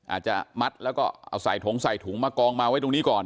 อาจจะมัดแล้วก็เอาใส่ถุงใส่ถุงมากองมาไว้ตรงนี้ก่อน